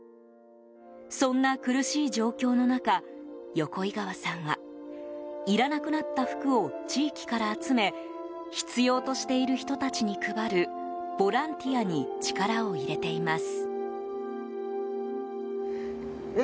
そんな苦しい状況の中横井川さんはいらなくなった服を地域から集め必要としている人たちに配るボランティアに力を入れています。